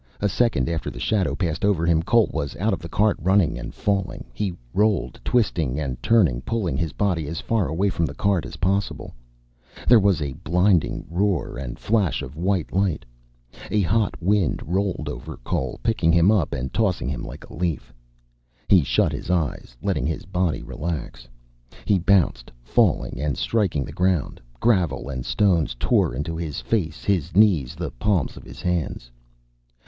A second after the shadow passed over him, Cole was out of the cart, running and falling. He rolled, twisting and turning, pulling his body as far away from the cart as possible. There was a blinding roar and flash of white light. A hot wind rolled over Cole, picking him up and tossing him like a leaf. He shut his eyes, letting his body relax. He bounced, falling and striking the ground. Gravel and stones tore into his face, his knees, the palms of his hands.